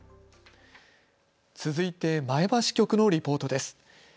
続いて前橋局のリポートです。